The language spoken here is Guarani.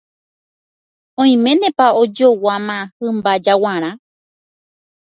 Oiménepa ojoguáma hymba jaguarã.